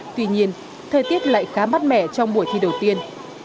tuy nhiên thời tiết lại khá mát mẻ trong buổi thi đầu tiên